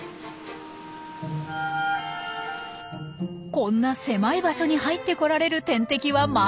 こんな狭い場所に入ってこられる天敵はまずいません。